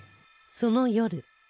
その夜